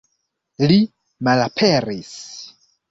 Li malaperis!